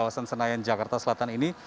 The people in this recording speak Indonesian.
kawasan senayan jakarta selatan ini